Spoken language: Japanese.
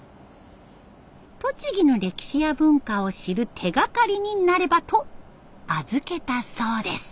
栃木の歴史や文化を知る手がかりになればと預けたそうです。